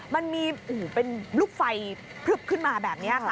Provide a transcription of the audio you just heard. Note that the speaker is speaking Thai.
มันมีเป็นลูกไฟพลึบขึ้นมาแบบนี้ค่ะ